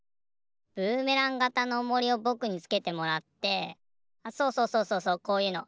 ブーメランがたのおもりをぼくにつけてもらってあっそうそうそうそうそうこういうの。